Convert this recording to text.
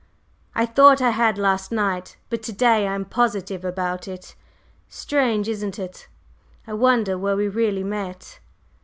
I thought I had last night; but to day I am positive about it. Strange, isn't it? I wonder where we really met?"